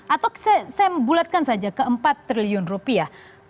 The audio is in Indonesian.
atau saya bulatkan saja ke empat triliun rupiah